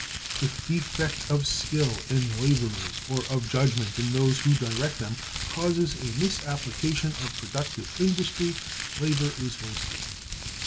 If defect of skill in laborers, or of judgment in those who direct them, causes a misapplication of productive industry, labor is wasted.